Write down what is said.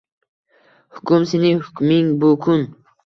Hukm — sening hukming bu kun